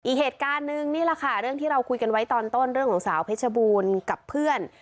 อีกเหตุการณ์นึงนี่แหละค่ะเรื่องที่เราคุยกันไว้ตอนต้นเรื่องของสาวเพชรบูรณ์กับเพื่อน